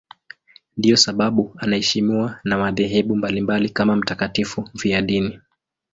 Ndiyo sababu anaheshimiwa na madhehebu mbalimbali kama mtakatifu mfiadini.